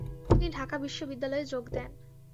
তিনি ঢাকা বিশ্ববিদ্যালয়ে যোগ দেন।